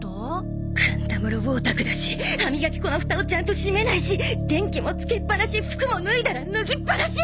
カンタムロボおたくだし歯磨き粉のフタをちゃんと閉めないし電気もつけっぱなし服も脱いだら脱ぎっぱなし！